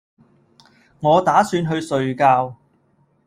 我打算去睡覺